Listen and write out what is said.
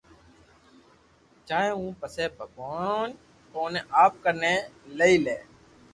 چاھي ھون پسي ڀگوان اوني آپ ڪني ليئي لي